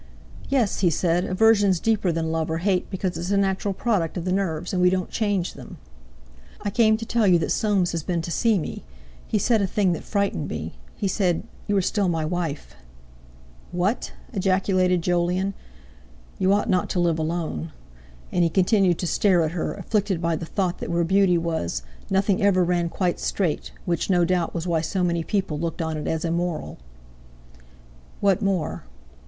"Yes!" he said, "aversion's deeper than love or hate because it's a natural product of the nerves, and we don't change them." "I came to tell you that Soames has been to see me. He said a thing that frightened me. He said: 'You are still my wife!'" "What!" ejaculated Jolyon. "You ought not to live alone." And he continued to stare at her, afflicted by the thought that where Beauty was, nothing ever ran quite straight, which, no doubt, was why so many people looked on it as immoral. "What more?"